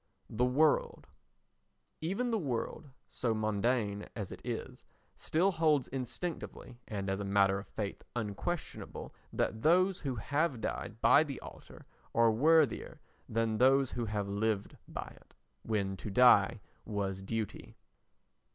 The World Even the world, so mondain as it is, still holds instinctively and as a matter of faith unquestionable that those who have died by the altar are worthier than those who have lived by it, when to die was duty.